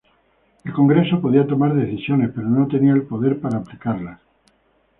El Congreso podía tomar decisiones, pero no tenía el poder para aplicarlas.